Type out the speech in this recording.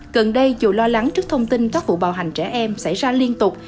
gần đây dù lo lắng trước thông tin các vụ bạo hành trẻ em xảy ra liên tục